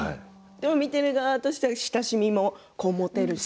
見ている側としては親しみも持てるし。